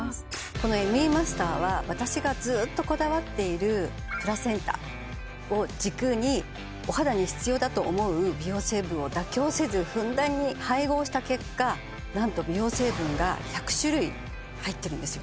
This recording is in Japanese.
このＭＥマスターは私がずっとこだわっているプラセンタを軸にお肌に必要だと思う美容成分を妥協せずふんだんに配合した結果なんと美容成分が１００種類入ってるんですよ